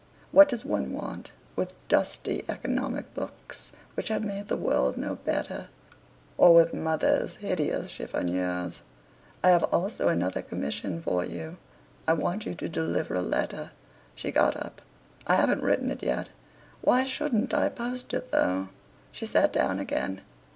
What does one want with dusty economic, books, which have made the world no better, or with mother's hideous chiffoniers? I have also another commission for you. I want you to deliver a letter." She got up. "I haven't written it yet. Why shouldn't I post it, though?" She sat down again.